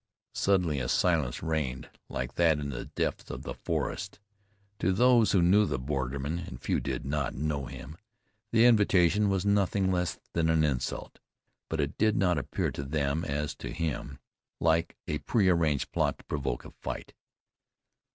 Suddenly a silence reigned, like that in the depths of the forest. To those who knew the borderman, and few did not know him, the invitation was nothing less than an insult. But it did not appear to them, as to him, like a pre arranged plot to provoke a fight.